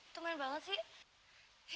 temen banget sih